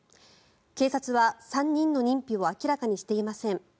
警察は３人の認否を明らかにしていません。